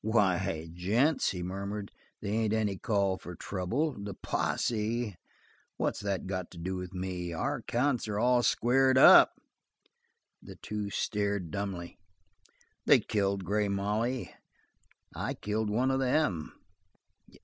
"Why, gents," he murmured, "they ain't any call for trouble. The posse? What's that got to do with me? Our accounts are all squared up." The two stared dumbly. "They killed Grey Molly; I killed one of them."